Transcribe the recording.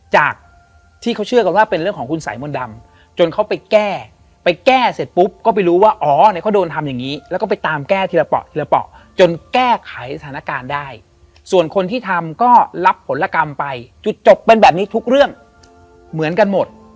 จากที่เขาเชื่อกันว่าเป็นเรื่องของคุณสายมนต์ดำจนเขาไปแก้ไปแก้เสร็จปุ๊บก็ไปรู้ว่าอ๋อเนี่ยเขาโดนทำอย่างนี้แล้วก็ไปตามแก้ทีละเปาะทีละเปาะจนแก้ไขสถานการณ์ได้ส่วนคนที่ทำก็รับผลกรรมไปจุดจบเป็นแบบนี้ทุกเรื่องเหมือนกันหมด